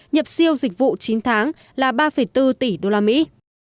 nhập siêu dịch vụ chín tháng là ba bốn tỷ đô la mỹ